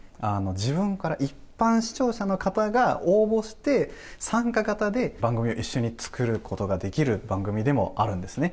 自分から一般視聴者の方が応募して参加型で番組を一緒に作る事ができる番組でもあるんですね。